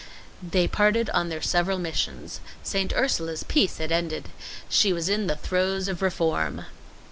They parted on their several missions. St. Ursula's peace had ended. She was in the throes of reform.